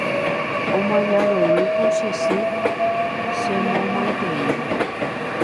Omaña rorýko che sy chemomaiteívo